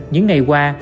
những ngày qua